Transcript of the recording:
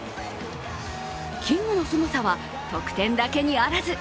キングのすごさは得点だけにあらず。